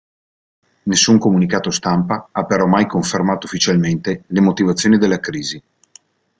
Nessun comunicato stampa ha però mai confermato ufficialmente le motivazioni della crisi.